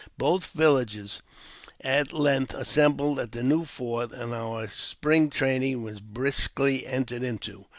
Both villages at length assembled at the new fort, and our spring trading was briskly entered into.